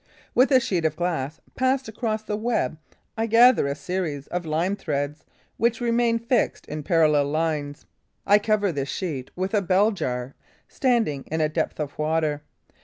With a sheet of glass passed across the web, I gather a series of lime threads which remain fixed in parallel lines. I cover this sheet with a bell jar standing in a depth of water.